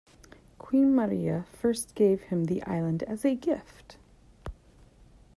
Queen Maria First gave him the island as a gift.